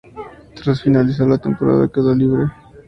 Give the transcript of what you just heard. Tras finalizar la temporada quedó libre.